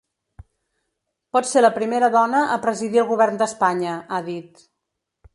Pot ser la primera dona a presidir el govern d’Espanya, ha dit.